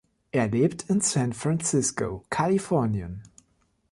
Er lebt in San Francisco, Kalifornien.